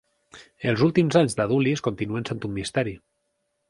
Els últims anys d'Adulis continuen sent un misteri.